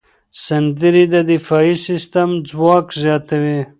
سندرې د دفاعي سیستم ځواک زیاتوي.